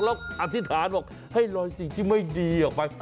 แล้วอธิษฐานบอกให้ลอยสิ่งที่ไม่ดีออกไป